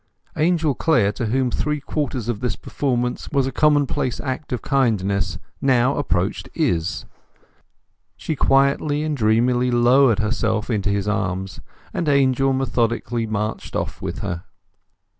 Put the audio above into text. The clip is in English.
Angel Clare, to whom three quarters of this performance was a commonplace act of kindness, now approached Izz. She quietly and dreamily lowered herself into his arms, and Angel methodically marched off with her.